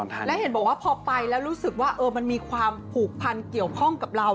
และเห็นบอกว่าพอไปแล้วรู้สึกว่ามันมีความผูกพันเกี่ยวข้องกับเรา